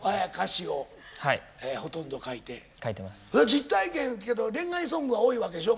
実体験恋愛ソングは多いわけでしょ？